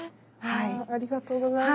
ありがとうございます。